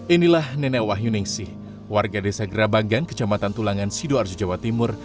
inilah nenek wahyuningsi warga desa grabagan kecamatan tulangan sidoarjo jawa timur